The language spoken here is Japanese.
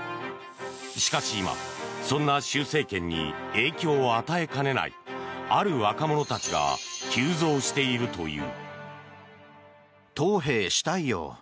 しかし今、そんな習政権に影響を与えかねないある若者たちが急増しているという。